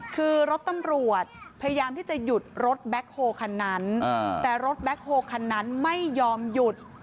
คือรถตำรวจพยายามที่จะหยุดรถแบ็คโฮคันนั้นแต่รถแบ็คโฮคันนั้นไม่ยอมหยุด